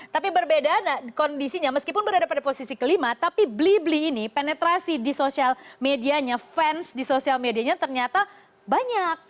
tapi berbeda kondisinya meskipun berada pada posisi kelima tapi beli beli ini penetrasi di sosial medianya fans di sosial medianya ternyata banyak